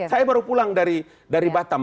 saya baru pulang dari batam